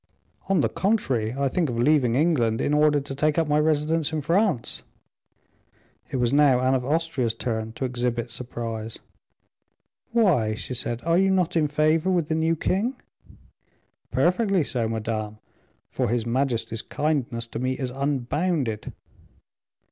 "On the contrary, I think of leaving England in order to take up my residence in France." It was now Anne of Austria's turn to exhibit surprise. "Why?" she said. "Are you not in favor with the new king?" "Perfectly so, madame, for his majesty's kindness to me is unbounded."